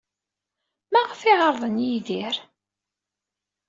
Maɣef ay d-ɛerḍen Yidir?